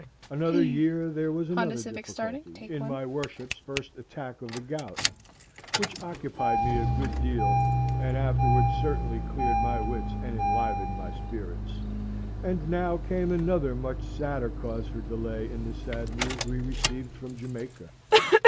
Another year there was another difficulty, in my worship's first attack of the gout (which occupied me a good deal, and afterwards certainly cleared my wits and enlivened my spirits); and now came another much sadder cause for delay in the sad news we received from Jamaica.